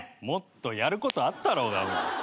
もっとやることあったろうが。